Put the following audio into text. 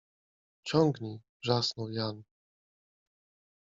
— Ciągnij! — wrzasnął Jan.